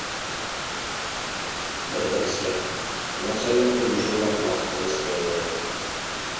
بىر ئېغىز گەپ : ناچارلىقىدىن مۇشۇنداق ماختىمىسا بولمايدۇ!